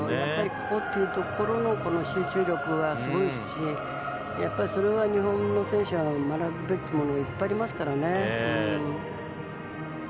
ここというところの集中力はすごいしそれは日本の選手が学ぶべきものがいっぱいありますからね。